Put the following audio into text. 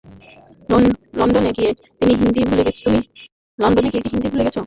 লন্ডনে গিয়ে কি হিন্দি ভুলে গেছো?